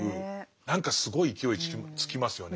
何かすごい勢いつきますよね。